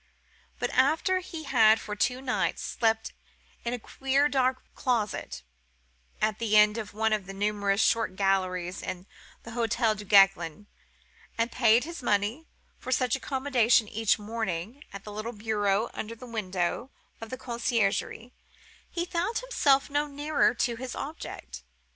But after he had for two nights slept in a queer dark closet, at the end of one of the numerous short galleries in the Hotel Duguesclin, and paid his money for such accommodation each morning at the little bureau under the window of the conciergerie, he found himself no nearer to his object.